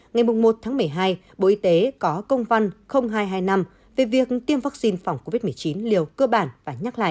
ngày một tháng một mươi hai bộ y tế có công văn hai trăm hai mươi năm về việc tiêm vaccine phòng covid một mươi chín liều cơ bản và nhắc lại